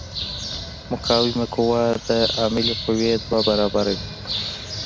مقاومه قوه د عاملې قوې دوه برابره وي.